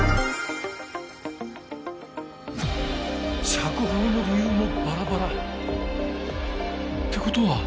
釈放の理由もバラバラ？って事は。